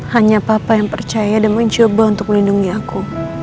hanya papa yang percaya dan mencoba untuk melindungi aku